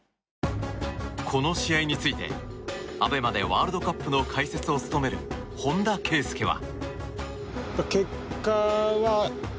この試合についてＡＢＥＭＡでワールドカップの解説を務める本田圭佑は。